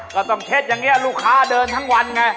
ก็ต้องเช็ดอย่างนี้ลูกค้าเดินทั้งวันไง